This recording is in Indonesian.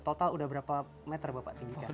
total udah berapa meter bapak tinggikan